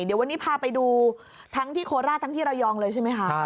เดี๋ยววันนี้พาไปดูทั้งที่โคราชทั้งที่ระยองเลยใช่ไหมคะ